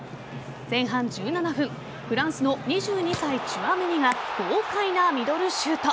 前半１７分フランスの２２歳、チュアメニが豪快なミドルシュート。